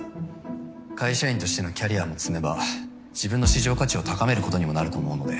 会社員としてのキャリアも積めば自分の市場価値を高めることにもなると思うので。